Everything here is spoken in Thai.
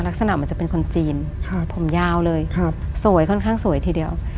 ลักษณะมันจะเป็นคนจีนผมยาวเลยสวยค่อนข้างสวยทีเดียว